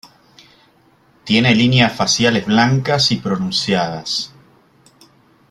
Tiene líneas faciales blancas y pronunciadas.